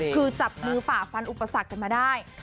คือจับมือฝ่าฟันอุปสรรคกันมาได้